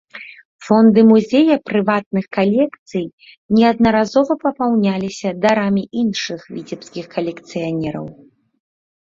Фонды музея прыватных калекцый неаднаразова папаўняліся дарамі іншых віцебскіх калекцыянераў.